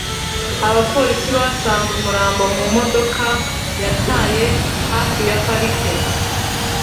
abapolisi basanze umurambo mu modoka yataye hafi ya parike